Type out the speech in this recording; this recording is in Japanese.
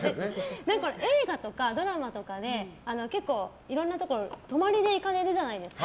映画とかドラマとかで結構、いろんなところに泊まりで行かれるじゃないですか。